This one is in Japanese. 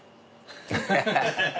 ハハハハハ。